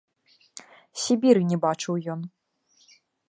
Сібіры не бачыў ён.